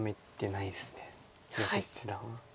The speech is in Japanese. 広瀬七段。